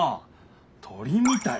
鳥みたい。